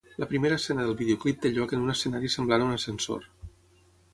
La primera escena del videoclip té lloc en un escenari semblant a un ascensor.